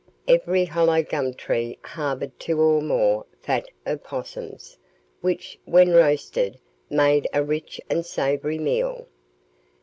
Every hollow gum tree harboured two or more fat opossums, which, when roasted, made a rich and savoury meal.